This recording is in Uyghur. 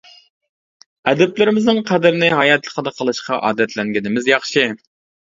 ئەدىبلىرىمىزنىڭ قەدرىنى ھاياتلىقىدا قىلىشقا ئادەتلەنگىنىمىز ياخشى.